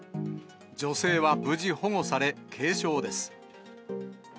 女性は無事保護され、軽傷です。